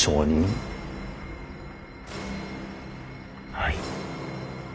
はい。